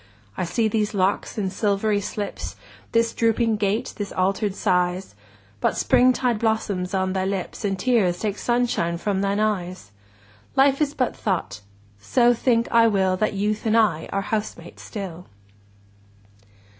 I see these locks in silvery slips, This drooping gait, this alter'd size: But springtide blossoms on thy lips, 35 And tears take sunshine from thine eyes! Life is but thought: so think I will That Youth and I are housemates still.